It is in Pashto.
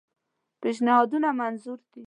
پېشنهادونه منظور دي.